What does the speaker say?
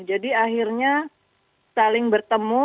jadi akhirnya saling berkumpul